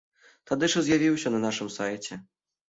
Тады ж і з'явіўся на нашым сайце.